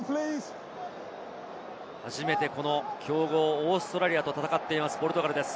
初めて強豪オーストラリアと戦っています、ポルトガルです。